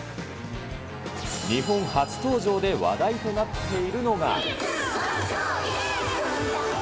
日本初登場で話題となっているのが。